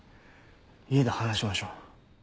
家で話しましょう。